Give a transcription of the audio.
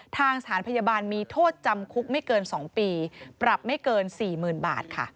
ทางสถานพยาบาลมีโทษจำคุกไม่เกิน๒ปีปรับไม่เกิน๔๐๐๐บาทค่ะ